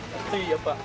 やっぱ。